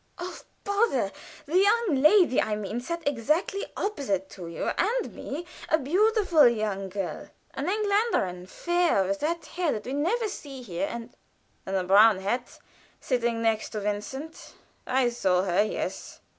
"Oh, bother! The young lady I mean sat exactly opposite to you and me a beautiful young girl; an Engländerin fair, with that hair that we never see here, and " "In a brown hat sitting next to Vincent. I saw her yes."